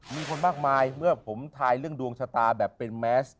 มีคนมากมายเมื่อผมทายเรื่องดวงชะตาแบบเป็นแมส